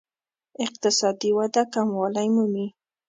اقتصادي وده کموالی مومي.